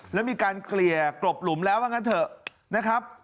แล้วมีการเกลี่ยกลบหลุมแล้วว่างั้นเถอะนะครับ